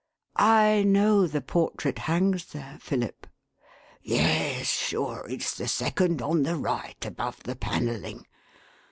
"" I know the portrait hangs there, Philip." " Yes, sure, it's the second on the right, above the panelling.